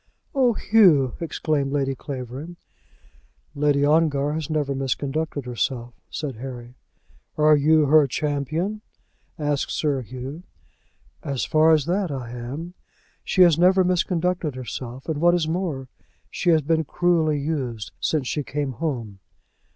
"Oh, Hugh!" exclaimed Lady Clavering. "Lady Ongar has never misconducted herself," said Harry. "Are you her champion?" asked Sir Hugh. "As far as that, I am. She has never misconducted herself; and what is more, she has been cruelly used since she came home."